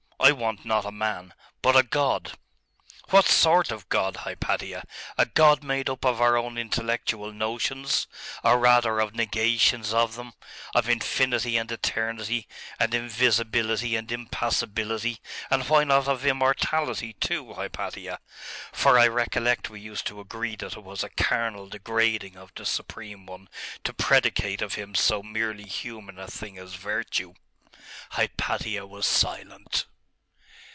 I want not a man, but a god.' 'What sort of a god, Hypatia? A god made up of our own intellectual notions, or rather of negations of them of infinity and eternity, and invisibility, and impassibility and why not of immortality, too, Hypatia? For I recollect we used to agree that it was a carnal degrading of the Supreme One to predicate of Him so merely human a thing as virtue.' Hypatia was silent.